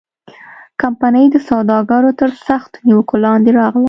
کمپنۍ د سوداګرو تر سختو نیوکو لاندې راغله.